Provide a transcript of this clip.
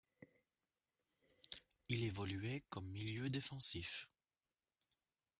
Il évoluait comme milieu défensif.